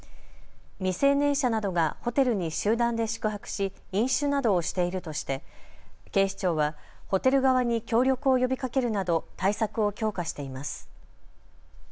未成年者などがホテルに集団で宿泊し飲酒などをしているとして警視庁はホテル側に協力を呼びかけるなど対策を強化しています。